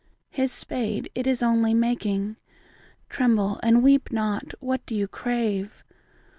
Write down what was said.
His spade, it Is only making, — (Tremble and weep not I What do you crave